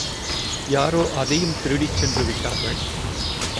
யாரோ அதையும் திருடிச்சென்று விட்டார்கள்.